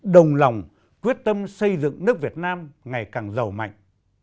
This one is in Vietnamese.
đồng lòng quyết tâm xây dựng nước việt nam ngày càng giàu mạnh